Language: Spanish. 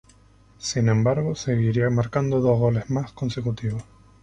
Sin embargo seguiría marcando dos goles mas consecutivos.